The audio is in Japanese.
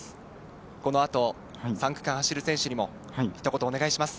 この後、３区間を走る選手にもひと言、お願いします。